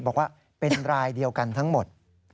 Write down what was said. บอกว่าเป็นรายเดียวกันทั้งหมด